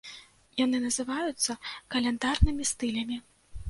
Яны называюцца каляндарнымі стылямі.